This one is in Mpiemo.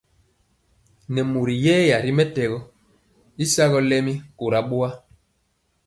Nɛ mori yɛya ri mɛtɛgɔ y sagɔ lɛmi kora boa.